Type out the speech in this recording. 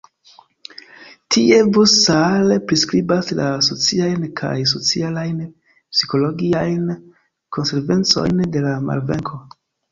Tie von Saar priskribas la sociajn kaj socialajn-psikologiajn konsekvencojn de la malvenko.